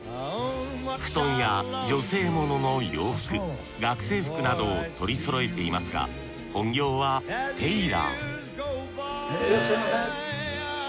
布団や女性ものの洋服学生服などを取りそろえていますが本業はテイラーいらっしゃいませ。